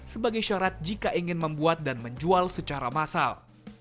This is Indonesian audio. sebagai syarat jika ingin membuat dan menjual secara massal